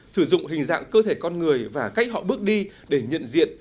sử dụng hình dạng cơ thể con người và cách họ bước đi để nhận diện